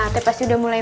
teh pasti udah mulai